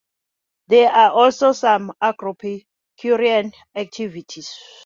There are also some agropecuarian activities.